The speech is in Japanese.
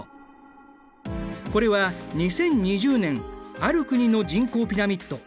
これは２０２０年ある国の人口ピラミッド。